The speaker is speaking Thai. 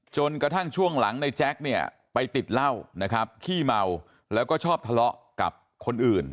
จนกระทั่งช่วงหลังในแจ๊คเนี่ยไปติดเหล้านะครับขี้เมาแล้วก็ชอบทะเลาะกับคนอื่น